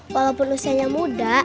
walaupun usianya muda